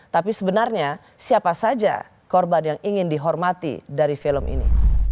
tapi sebenarnya siapa saja korban yang ingin dihormati dari film ini